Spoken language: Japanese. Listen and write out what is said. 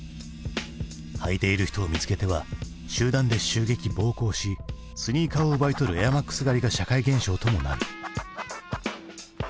履いている人を見つけては集団で襲撃・暴行しスニーカーを奪い取るエアマックス狩りが社会現象ともなる。